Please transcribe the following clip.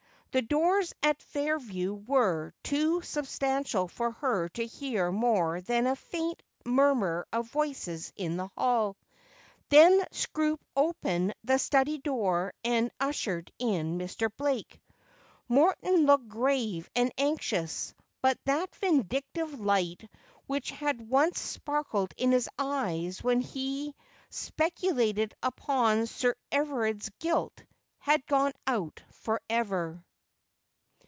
The doors at Fair view were too substantial for her to hear more than a faint murmur of voices in the hall. Then Seroope open the study door and ushered in Mr. Blake. Morton looked grave and anxious ; but that vindictive light which had once sparkled in his eyes when he speculated upon Sir Everard's guilt, had gone out for ever.